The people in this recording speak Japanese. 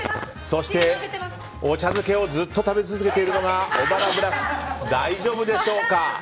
そしてお茶漬けをずっと食べ続けているのが小原ブラス、大丈夫でしょうか。